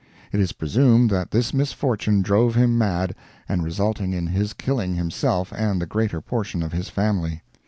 It is presumed that this misfortune drove him mad and resulted in his killing himself and the greater portion of his family.